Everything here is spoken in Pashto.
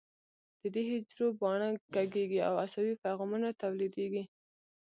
د دې حجرو باڼه کږېږي او عصبي پیغامونه تولیدېږي.